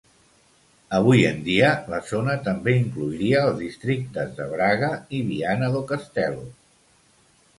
Avui en dia, la zona també inclouria els districtes de Braga i Viana do Castelo.